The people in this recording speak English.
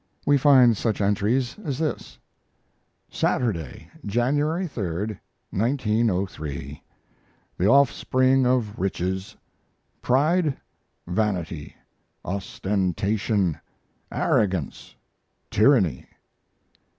We find such entries as this: Saturday, January 3, 1903. The offspring of riches: Pride, vanity, ostentation, arrogance, tyranny.